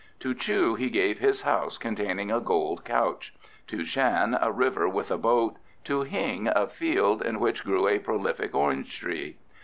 To Chu he gave his house containing a gold couch; to Shan a river with a boat; to Hing a field in which grew a prolific orange tree.